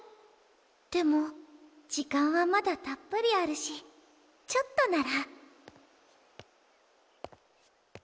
でも時間はまだたっぷりあるしちょっとなら。